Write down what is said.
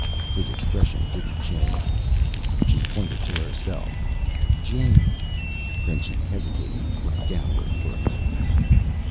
His expression didn't change. She pointed to herself. "Jane." Then she hesitated, looked downward for a moment.